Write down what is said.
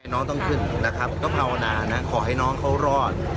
น้องต้องขึ้นนะครับก็ภาวนานะขอให้น้องเขารอด